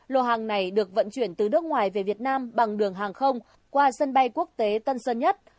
lô hàng này được vận chuyển từ nước ngoài về việt nam bằng đường hàng không qua sân bay quốc tế tân sơn nhất